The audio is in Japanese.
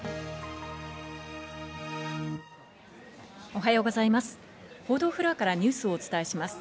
おはようございます。